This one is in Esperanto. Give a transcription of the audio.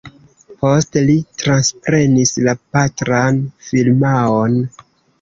Poste li transprenis la patran firmaon.